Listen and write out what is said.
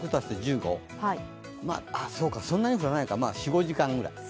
そんなに降らないか、４５時間くらい。